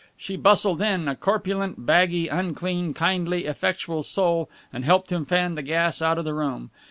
She bustled in, a corpulent, baggy, unclean, kindly, effectual soul, and helped him fan the gas out of the room.